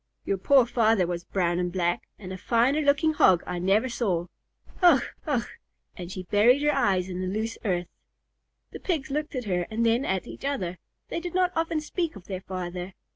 Your poor father was brown and black, and a finer looking Hog I never saw. Ugh! Ugh!" And she buried her eyes in the loose earth. The Pigs looked at her and then at each other. They did not often speak of their father.